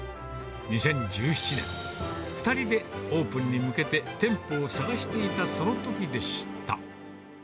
２０１７年、２人でオープンに向けて店舗を探していたそのときでした。